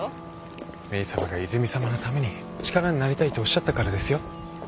メイさまが泉さまのために力になりたいとおっしゃったからですよ。